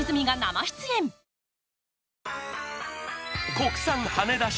国産はね出し